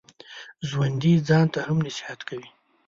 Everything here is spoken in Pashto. ژوندي ځان ته هم نصیحت کوي